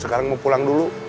sekarang mau pulang dulu